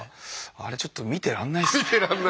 あれちょっと見てらんないんですよね。